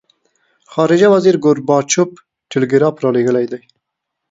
خارجه وزیر ګورچاکوف ټلګراف را لېږلی دی.